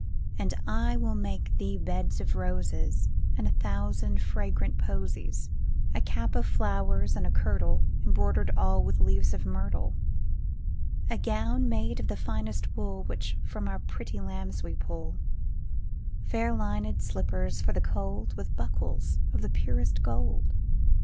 And I will make thee beds of roses And a thousand fragrant posies, A cap of flowers, and a kirtle Embroidered all with leaves of myrtle. A gown made of the finest wool, Which from our pretty lambs we pull, Fair lined slippers for the cold, With buckles of the purest gold.